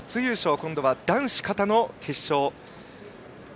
今度は男子形の決勝。